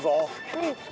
うん。